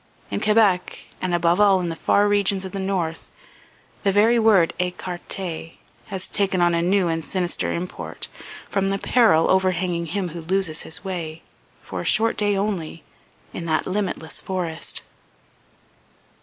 In Quebec, and above all in the far regions of the north, the very word, ecarte, has taken on a new and sinister import, from the peril overhanging him who loses his way, for a short day only, in that limitless forest.